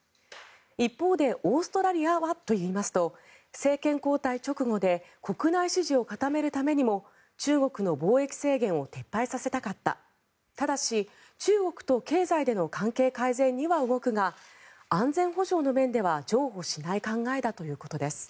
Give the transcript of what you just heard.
一方でオーストラリアはといいますと政権交代直後で国内支持を固めるためにも中国の貿易制限を撤廃させたかったただし中国と経済での関係改善には動くが安全保障の面では譲歩しない考えだということです。